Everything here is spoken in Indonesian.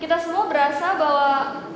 kita semua berasa bahwa